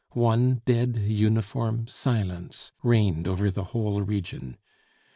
One dead uniform silence reigned over the whole region.